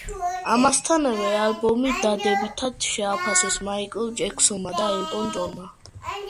ამასთანავე ალბომი დადებითად შეაფასეს მაიკლ ჯექსონმა და ელტონ ჯონმა.